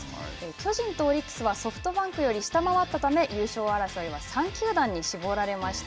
巨人とオリックスはソフトバンクより下回ったため、優勝争いは３球団に絞られました。